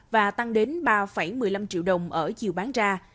và tăng đến ba một mươi năm triệu đồng ở chiều bán ra